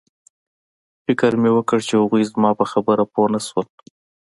فکر مې وکړ چې هغوی زما په خبره پوه نشول